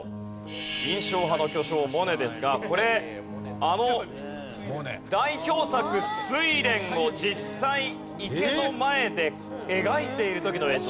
印象派の巨匠モネですがこれあの代表作『睡蓮』を実際池の前で描いている時の映像。